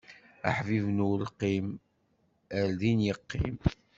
Aḥbib n ulqim, ar din iqqim!